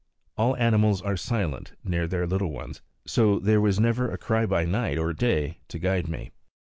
All animals are silent near their little ones, so there was never a cry by night or day to guide me.